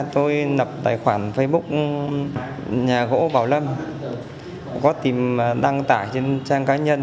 tôi nập tài khoản facebook nhà gỗ bảo lâm có tìm đăng tải trên trang cá nhân